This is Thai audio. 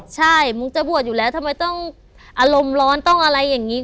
ใช่มุกจะบวชอยู่แล้วทำไมต้องอารมณ์ร้อนต้องอะไรอย่างนี้